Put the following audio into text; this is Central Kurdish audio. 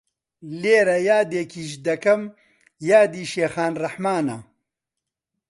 لێرە یادێکیش دەکەم یادی شێخان ڕەحمانە